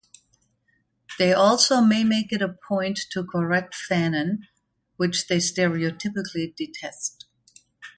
They also may make it a point to correct fanon, which they stereotypically detest.